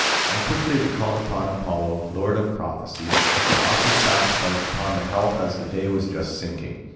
And quickly they called upon Apollo, lord of prophecy, and offered sacrifice upon the health as the day was just sinking.